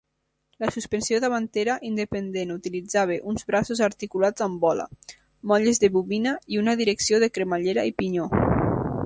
La suspensió davantera independent utilitzava uns braços articulats amb bola, molles de bobina i una direcció de cremallera i pinyó.